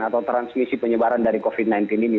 atau transmisi penyebaran dari covid sembilan belas ini